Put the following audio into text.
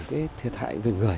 cái thiệt hại về người